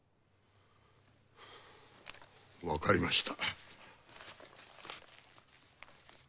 わかりました。